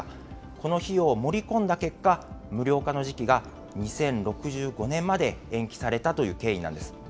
この費用を盛り込んだ結果、無料化の時期が２０６５年まで延期されたという経緯なんです。